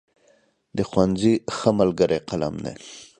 د ښوونځي ښه ملګری قلم دی.